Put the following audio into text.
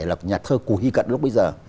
là nhà thơ cụ hy cận lúc bây giờ